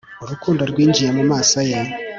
urukundo rwinjiye mu maso ye